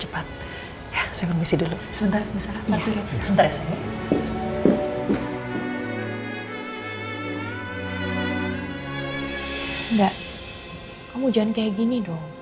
enggak kamu jangan kayak gini dong